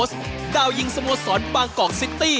บราซิลแจ็คซั่นสันโต๊ส